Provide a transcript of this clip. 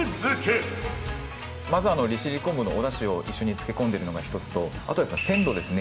まず利尻昆布のおだしを一緒に漬け込んでいるのがひとつとあとはやっぱり鮮度ですね。